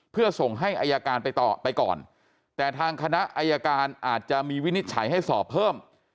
เพื่อส่งให้อายการไปต่อไปก่อนแต่ทางคณะอายการอาจจะมีวินิจฉัยให้สอบเพิ่ม